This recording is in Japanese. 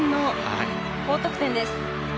高得点です。